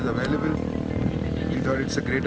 setelah memperhatikan dari semua sumber yang ada